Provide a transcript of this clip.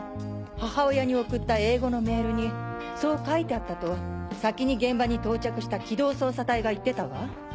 母親に送った英語のメールにそう書いてあったと先に現場に到着した機動捜査隊が言ってたわ。